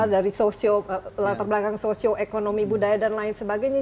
dari sosio latar belakang sosio ekonomi budaya dan lain sebagainya